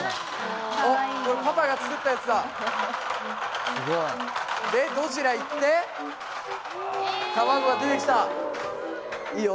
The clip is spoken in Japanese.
おっこれパパが作ったやつだでゴジラいって卵が出てきたいいよ